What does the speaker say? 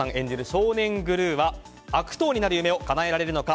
少年グルーは悪党になる夢をかなえられるのか。